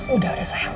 udah udah sayang